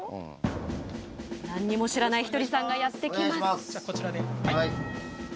何にも知らないひとりさんがやって来ます。